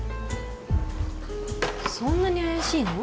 そんなに怪しいの？